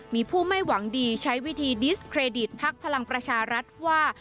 มีผู้ไม่หวังดีใช้วิธีดิสเครดิตภักดิ์พลังประชารัฐว่า